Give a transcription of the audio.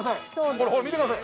これ見てください。